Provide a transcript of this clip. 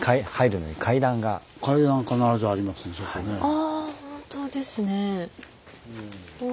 あ本当ですね。